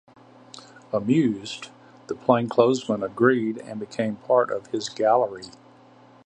Amused, the plainclothesmen agreed and became part of his gallery.